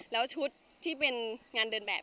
แล้วชุดที่เป็นงานเดินแบบ